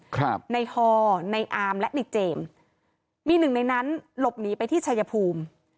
ครับในฮอในอามและในเจมส์มีหนึ่งในนั้นหลบหนีไปที่ชายภูมิ